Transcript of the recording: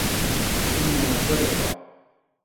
انها سرقه.